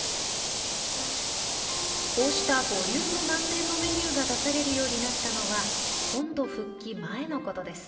こうしたボリューム満点のメニューが出されるようになったのは本土復帰前のことです。